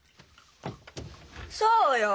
そうよ